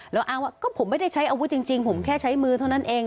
แล้วอ้างว่าก็ผมไม่ได้ใช้อาวุธจริงผมแค่ใช้มือเท่านั้นเอง